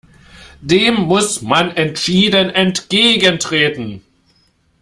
Dem muss man entschieden entgegentreten!